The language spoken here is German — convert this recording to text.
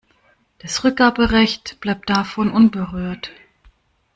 Das Rückgaberecht bleibt davon unberührt.